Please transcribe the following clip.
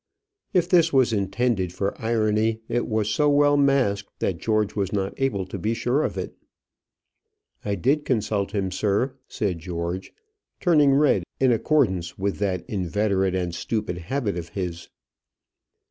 If this was intended for irony, it was so well masked that George was not able to be sure of it. "I did consult him, sir," said George, turning red in accordance with that inveterate and stupid habit of his.